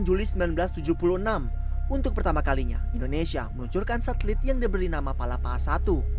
juli seribu sembilan ratus tujuh puluh enam untuk pertama kalinya indonesia meluncurkan satelit yang diberi nama palapa a satu